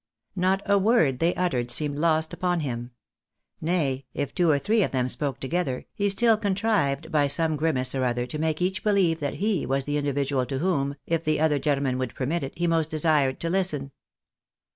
Not a word they uttered seemed lost upon him ; nay, if two or three of them spoke together, he still contrived by some grimace or other to make each one beheve that he was the individual to whom, if the other gentleman would permit it, he most desired to listen.